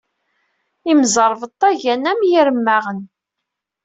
Imẓerbeḍḍa gan am yiremmaɣen.